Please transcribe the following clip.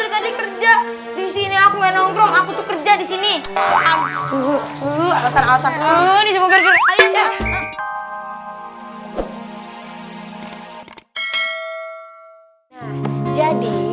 tadi kerja di sini aku nongkrong aku kerja di sini aku tuh alasan alasan ini semoga jadi